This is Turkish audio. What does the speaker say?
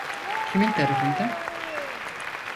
Kimin tarafından?